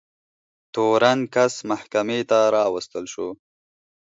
تورن کس محکمې ته راوستل شو.